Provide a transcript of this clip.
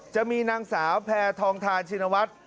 จะมีนางสาวแพทองทานชินวัฒน์